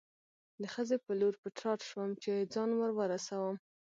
د خزې په لور په تراټ شوم، چې ځان ور ورسوم.